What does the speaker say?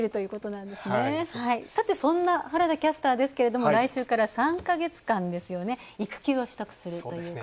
そんな原田キャスターですけども来週から３か月間、育休を取得するということですね。